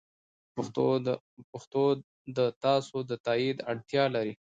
پښتو د تاسو د تایید اړتیا لري.